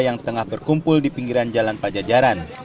yang tengah berkumpul di pinggiran jalan pajajaran